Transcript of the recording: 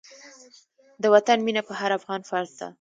د وطن مينه په هر افغان فرض ده.